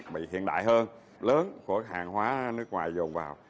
bị hiện đại hơn lớn của hàng hóa nước ngoài dồn vào